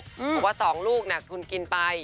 เขากลับว่าสองลูกคุณกินไป